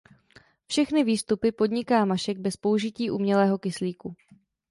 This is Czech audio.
Všechny výstupy podniká Mašek bez použití umělého kyslíku.